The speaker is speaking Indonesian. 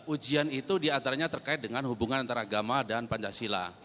ujian itu diantaranya terkait dengan hubungan antaragama dan pancasila